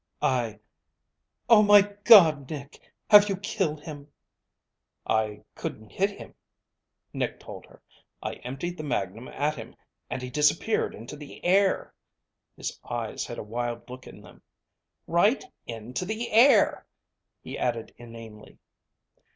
"I..." "Oh, my God, Nick! Have you killed him?" "I couldn't hit him," Nick told her. "I emptied the magnum at him and he disappeared into the air." His eyes had a wild look in them, "Right into the air," he added inanely.